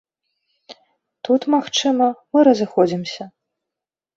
Тут, магчыма, мы разыходзімся.